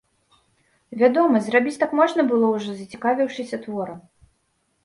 Вядома, зрабіць так можна было, ужо зацікавіўшыся творам.